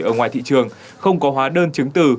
ở ngoài thị trường không có hóa đơn chứng từ